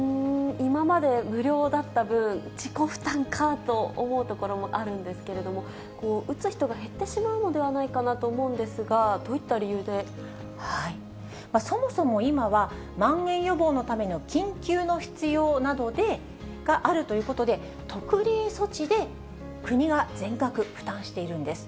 今まで無料だった分、自己負担かと思うところもあるんですけれども、打つ人が減ってしまうのではないかなと思うんですが、どういったそもそも今は、まん延予防のための緊急の必要があるということで、特例措置で国が全額負担しているんです。